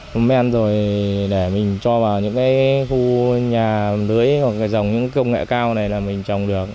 nó men rồi để mình cho vào những cái khu nhà lưới dòng những công nghệ cao này là mình trồng được